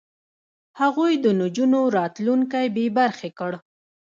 هغوی د نجونو راتلونکی بې برخې کړ.